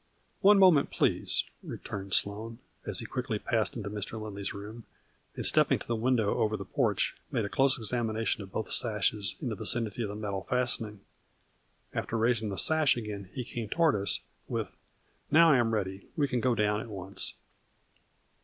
" One moment, please," returned Sloane, as he quickly passed into Mr. Lindley 's room, and stepping to the window over the porch, made a close examination of both sashes, in the vicinity of the metal fastening. After raising the sash again, he came toward us, with, "Now I am ready, we can go down at once."